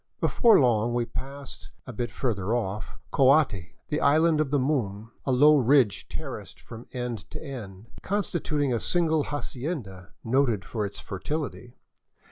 Before long we passed, a bit further off, Coati, the Island of the Moon, a low ridge terraced from end to end, constituting a single hacienda noted for its fertility.